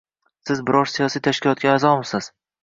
Siz biror siyosiy tashkilotga a’zomisiz?